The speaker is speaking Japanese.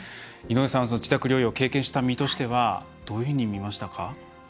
井上さんは自宅療養を経験した身としてはどういうふうに見ましたか？